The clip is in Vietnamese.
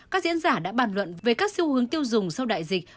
các diễn giả đã bàn luận về các xu hướng tiêu dùng sau đại dịch